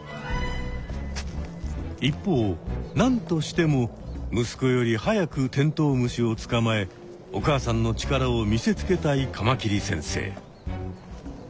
一方なんとしてもむすこより早くテントウムシをつかまえお母さんの力を見せつけたいカマキリ先生。